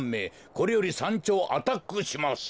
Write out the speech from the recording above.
これよりさんちょうアタックします。